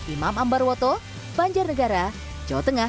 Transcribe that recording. imam ambarwoto banjarnegara jawa tengah